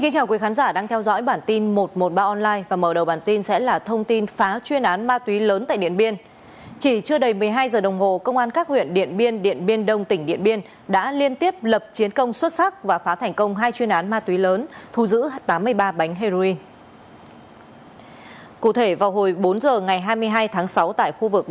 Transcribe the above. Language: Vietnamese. cảm ơn các bạn đã theo dõi